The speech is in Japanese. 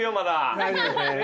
大丈夫です。